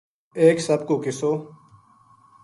ایک سپ کو قصو